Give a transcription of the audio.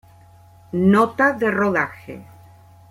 Nota de rodaje.